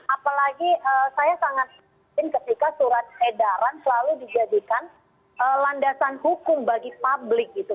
apalagi saya sangat yakin ketika surat edaran selalu dijadikan landasan hukum bagi publik gitu